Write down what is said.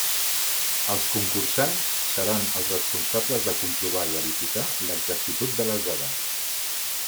Els concursants seran els responsables de comprovar i verificar l'exactitud de les dades.